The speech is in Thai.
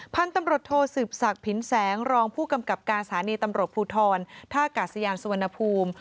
พันธุ์ตำรวจโทสืบศักดิ์ผินแสงรองผู้กำกับการสถานีตำรวจภูทรท่ากาศยานสุวรรณภูมิ